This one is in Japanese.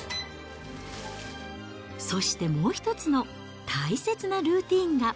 そしてもう一つの大切なルーティンが。